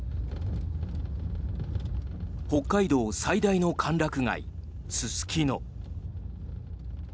北海道最大の歓楽街すすきの。